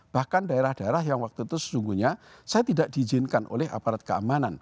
bahkan daerah daerah yang waktu itu sesungguhnya saya tidak diizinkan oleh aparat keamanan